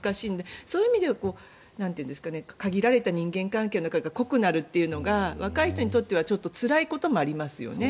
そういう意味では限られた人間関係が濃くなるというのが若い人にとってはちょっとつらいこともありますよね。